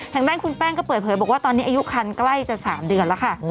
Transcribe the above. ทางด้านคุณแป้งก็เปิดเผยบอกว่าตอนนี้อายุคันใกล้จะ๓เดือนแล้วค่ะ